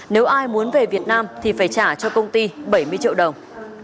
nếu ai muốn về việt nam thì phải trả cho công ty bảy mươi triệu đồng